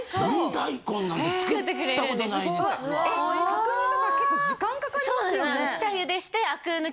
角煮とか結構時間かかりますよね？